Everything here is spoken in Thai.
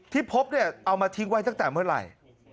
ที่พบเนี่ยเอามาทิ้งไว้ตั้งแต่เมื่อไหร่